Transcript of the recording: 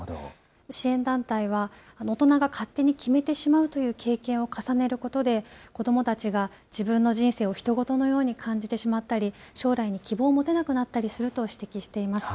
支援団体は大人が勝手に決めてしまうという経験を重ねることで、子どもたちが自分の人生をひと事のように感じてしまったり、将来に希望を持てなくなってしまうと指摘しています。